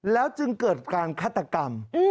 แล้วจึงเกิดการฆาตกรรม